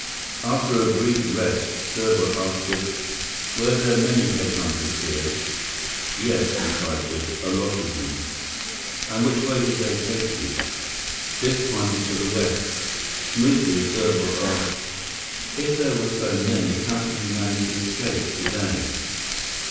After a brief rest, Serbot asked Biff, "Were there many head hunters here?" "Yes," replied Biff. "A lot of them." "And which way did they take you?" Biff pointed to the west. Smoothly, Serbot asked, "If there were so many, how did you manage to escape today?"